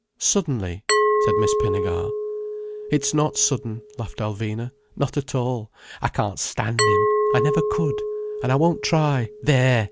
—suddenly—" said Miss Pinnegar. "It's not sudden," laughed Alvina. "Not at all. I can't stand him. I never could. And I won't try. There!